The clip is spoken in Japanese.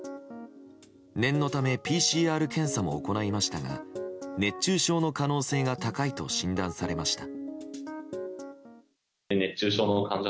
念のためＰＣＲ検査も行いましたが熱中症の可能性が高いと診断されました。